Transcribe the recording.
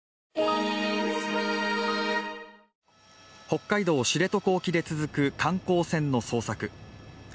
北海道・知床沖で続く観光船の捜索。